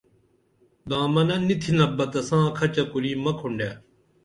دامنہ نی تِھنپ بہ تساں کھچہ کُری مہ کھنڈے